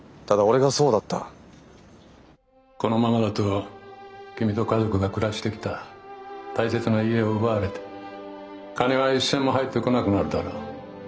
このままだと君と家族が暮らしてきた大切な家を奪われて金は一銭も入ってこなくなるだろう。